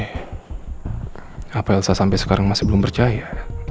kenapa elsa sampai sekarang masih belum percaya